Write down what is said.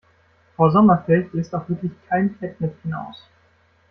Frau Sommerfeld lässt auch wirklich kein Fettnäpfchen aus.